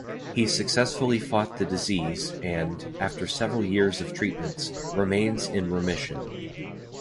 He successfully fought the disease and, after several years of treatments, remains in remission.